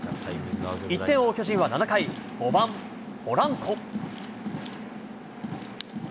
１点を追う巨人は７回、５番ポランコ。